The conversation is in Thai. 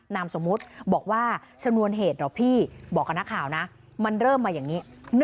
นามสมมุติบอกว่าชนวนเหตุเหรอพี่บอกกับนักข่าวนะมันเริ่มมาอย่างนี้